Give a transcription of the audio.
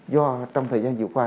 do trong thời gian dịu khoa